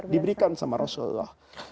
diberikan sama rasulullah